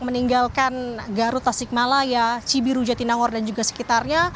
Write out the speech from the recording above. meninggalkan garut tasikmalaya cibiru jatinangor dan juga sekitarnya